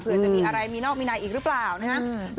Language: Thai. จะมีอะไรมีนอกมีนายอีกหรือเปล่านะครับ